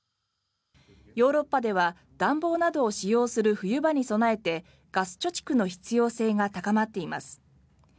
ヨーロッパでは暖房などを使用する冬場に備えてガス貯蓄の必要性が高まっています。